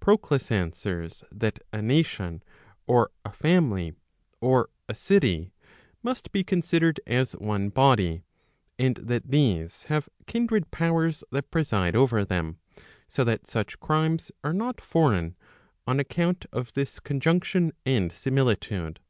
Prod us answers, that a nation, or a family, or a city, must be considered as one body, and that these have kindred powers that preside over them, so that such crimes are not foreign, on account of this conjunction and similitude.